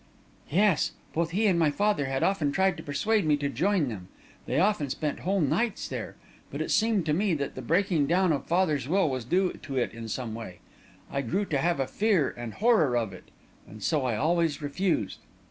"Yes; both he and my father had often tried to persuade me to join them. They often spent whole nights there. But it seemed to me that the breaking down of father's will was due to it in some way; I grew to have a fear and horror of it, and so I always refused."